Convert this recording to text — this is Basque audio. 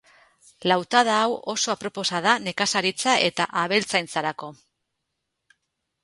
Lautada hau oso aproposa da nekazaritza eta abeltzaintzarako.